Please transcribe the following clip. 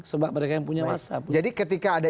sebab mereka yang punya masa jadi ketika ada